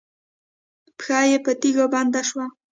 پښه یې په تيږو بنده شوه.